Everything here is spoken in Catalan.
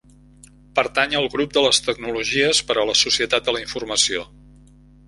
Pertany al grup de les Tecnologies per a la Societat de la informació.